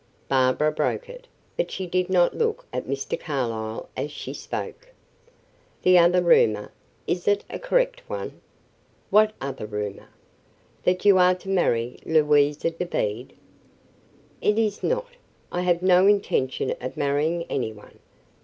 Barbara broke it, but she did not look at Mr. Carlyle as she spoke. "The other rumor is it a correct one?" "What other rumor?" "That you are to marry Louisa Dobede." "It is not. I have no intention of marrying any one.